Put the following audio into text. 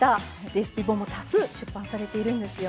レシピ本も多数出版されているんですよね。